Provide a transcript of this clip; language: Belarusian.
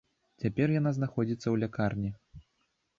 Цяпер яна знаходзіцца ў лякарні.